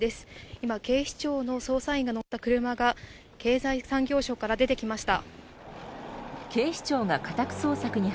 今、警視庁の捜査員が乗った車が経済産業省から出てきました。